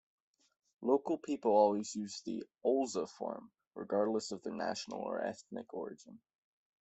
Local people always used the "Olza" form, regardless of their national or ethnic origin.